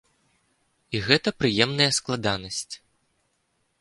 І гэта прыемная складанасць.